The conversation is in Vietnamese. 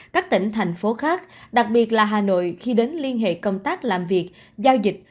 các tỉnh thành phố khác đặc biệt là hà nội khi đến liên hệ công tác làm việc giao dịch